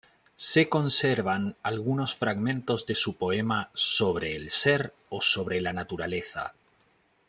Se conservan algunos fragmentos de su poema "Sobre el Ser" o "Sobre la Naturaleza".